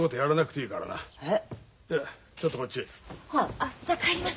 あっじゃあ帰ります。